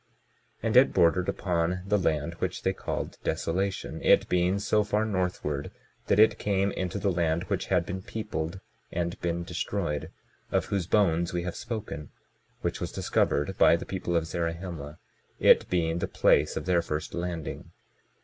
22:30 And it bordered upon the land which they called Desolation, it being so far northward that it came into the land which had been peopled and been destroyed, of whose bones we have spoken, which was discovered by the people of Zarahemla, it being the place of their first landing.